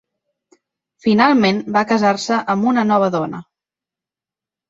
Finalment va casar-se amb una nova dona.